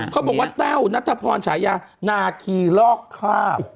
เขาบอกว่าแต้วนัทพรฉายานาคีลอกคราบ